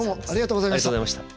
ありがとうございます。